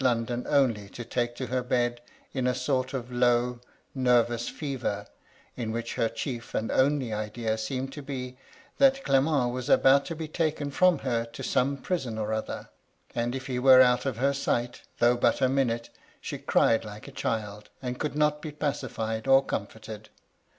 105 London only to take to ber bed in a sort of low, nervous fever, in which her chief and only idea seemed to be, that Clement was about to be taken from her to some prison or other ; and if he were out of her sight, though but for a minute, she cried like a child, and could not be pacified or comforted.